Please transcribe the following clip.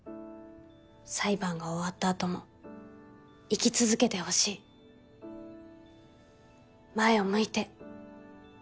裁判が終わった後も生き続けてほしい前を向いて。